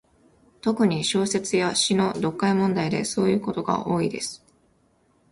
特に、小説や詩の読解問題でそういうことが多いです。